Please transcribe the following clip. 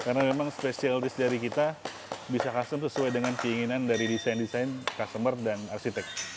karena memang spesialis dari kita bisa custom sesuai dengan keinginan dari desain desain customer dan arsitek